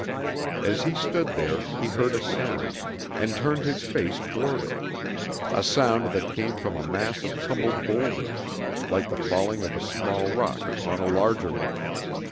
As he stood there he heard a sound, and turned his face toward it, a sound that came from a mass of tumbled boulders, like the falling of a small rock upon a larger one.